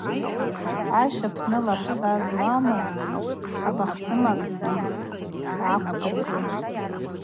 Айшва апны лапса зламыз абахсымагьи гӏаквдыргылтӏ.